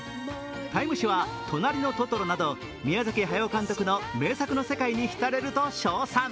「ＴＩＭＥ」誌は「となりのトトロ」など宮崎駿監督の名作の世界に浸れると称賛。